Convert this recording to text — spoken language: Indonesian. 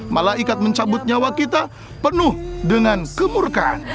malaikat mencabut nyawa kita penuh dengan kemurkaan